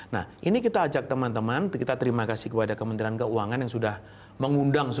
nah ini kita ajak teman teman kita terima kasih kepada kementerian keuangan yang sudah mengundang